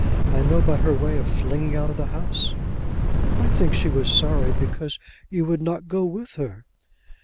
I know by her way of flinging out of the house." "I think she was sorry because you would not go with her."